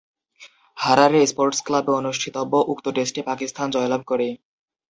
Harare sports ক্লাবে অনুষ্ঠিতব্য উক্ত টেস্টে পাকিস্তান জয়লাভ করে।